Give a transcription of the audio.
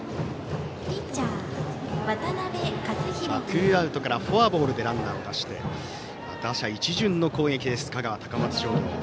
ツーアウトからフォアボールでランナーを出して打者一巡の攻撃、香川・高松商業。